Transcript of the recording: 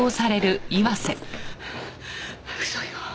嘘よ